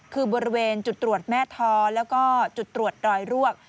คือบริเวณจุดตรวจแม่ท้อแล้วก็จุดตรวจรอยรวก